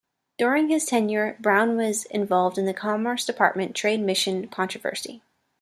During his tenure Brown was involved in the Commerce Department trade mission controversy.